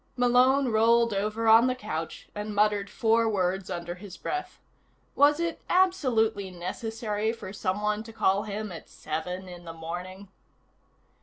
Malone rolled over on the couch and muttered four words under his breath. Was it absolutely necessary for someone to call him at seven in the morning?